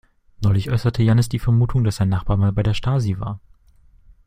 Neulich äußerte Jannis die Vermutung, dass sein Nachbar mal bei der Stasi war.